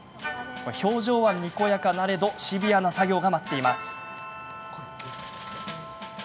表情は、にこやかなれどシビアな作業が待っています。